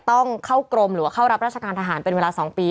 ต้องเข้ากรมหรือว่าเข้ารับราชการทหารเป็นเวลา๒ปี